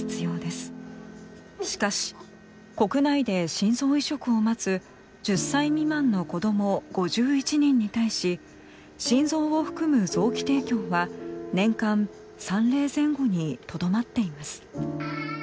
しかし国内で心臓移植を待つ１０歳未満の子ども５１人に対し心臓を含む臓器提供は年間３例前後にとどまっています。